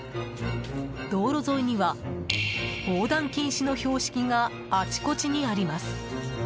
道路沿いには、横断禁止の標識があちこちにあります。